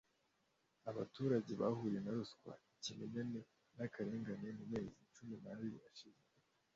abaturage bahuye na ruswa ikimenyane n akarengane mu mezi cumi n abiri ashize